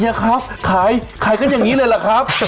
ครับขายกันอย่างนี้เลยเหรอครับ